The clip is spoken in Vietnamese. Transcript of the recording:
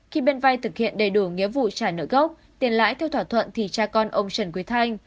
khi bên vai thực hiện đầy đủ nghĩa vụ trả nợ gốc tiền lãi theo thỏa thuận thì cha con ông trần quý thanh